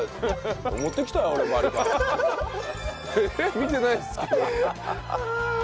見てないですけど」。